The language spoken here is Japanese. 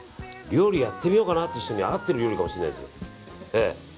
料理やってみようかなって人には合っているかもしれないですね。